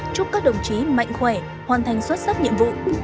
chúc các đồng chí mạnh khỏe hoàn thành xuất sắc nhiệm vụ